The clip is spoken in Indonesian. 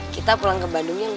kita pulang ke bandungnya lo saja